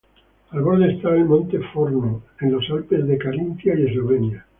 Al borde está el Monte Forno, en los Alpes de Carintia y Eslovenia.